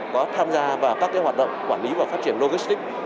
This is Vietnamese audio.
có tham gia vào các cái hoạt động quản lý và phát triển logistic